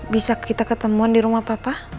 bisa kita ketemuan di rumah papa